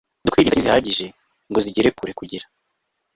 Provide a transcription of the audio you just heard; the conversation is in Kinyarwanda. ibyo kwirinda ntizihagije ngo zigere kure kugira